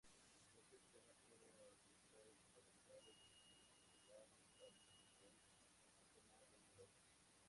Muchos sistemas tienen estados fundamentales degenerados, tales como el átomo de hidrógeno.